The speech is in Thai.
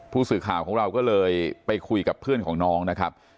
ผู้สื่อข่าวของเราก็เลยไปคุยกับเพื่อนของน้องนะครับ